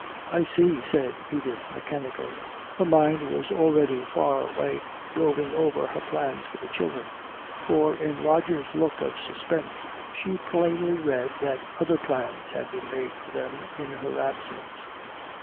"I see," said Edith mechanically. Her mind was already far away, roving over her plans for the children. For in Roger's look of suspense she plainly read that other plans had been made for them in her absence.